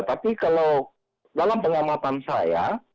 tapi kalau dalam pengamatan saya